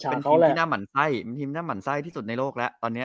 เป็นทีมที่น่าหมั่นไส้ที่สุดในโลกและตอนนี้